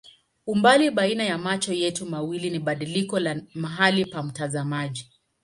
Umbali baina ya macho yetu mawili ni badiliko la mahali pa mtazamaji.